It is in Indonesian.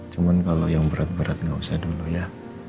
cuman kalau yang berat berat gak usah dulu ya